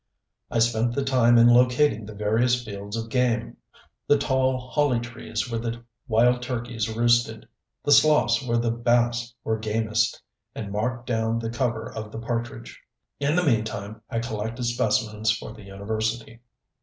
I spent the time in locating the various fields of game: the tall holly trees where the wild turkeys roosted, the sloughs where the bass were gamest, and marked down the cover of the partridge. In the meantime I collected specimens for the university.